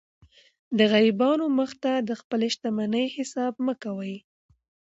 د غریبانو و مخ ته د خپلي شتمنۍ حساب مه کوئ!